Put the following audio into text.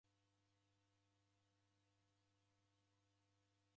Ni andu kuboie.